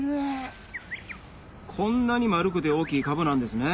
こんなに丸くて大きいカブなんですね